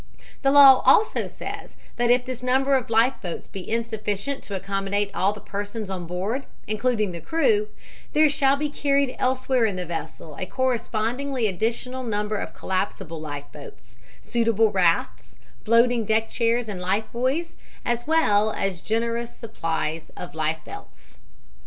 The law also says that if this number of life boats be insufficient to accommodate all the persons on board, including the crew, there shall be carried elsewhere in the vessel a correspondingly additional number of collapsible life boats, suitable rafts, floating deck chairs and life buoys, as well as a generous supply of life belts.